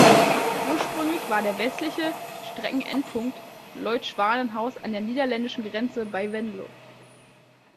Ursprünglich war der westliche Streckenendpunkt Leuth-Schwanenhaus an der niederländischen Grenze bei Venlo.